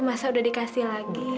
masa udah dikasih lagi